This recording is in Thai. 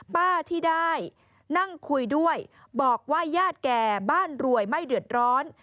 ป้าที่ได้นั่งคุยด้วยบอกว่าญาติแก่บ้านรวยไม่เดือดร้อน